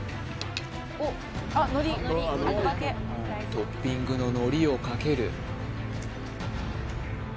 トッピングののりをかける